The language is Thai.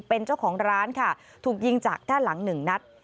เป็นเจ้าของร้านค่ะถูกยิงจากด้านหลังหนึ่งนัด